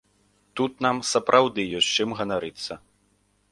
Тут нам сапраўды ёсць чым ганарыцца.